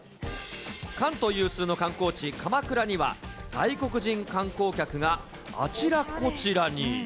関東有数の観光地、鎌倉には、外国人観光客があちらこちらに。